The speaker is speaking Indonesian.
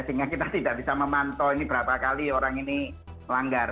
sehingga kita tidak bisa memantau ini berapa kali orang ini melanggar